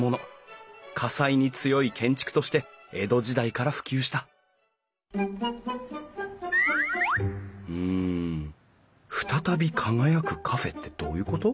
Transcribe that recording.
火災に強い建築として江戸時代から普及したうん「ふたたび輝くカフェ」ってどういうこと？